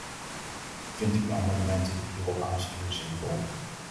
Vindt u amendementen die hierop aansturen zinvol?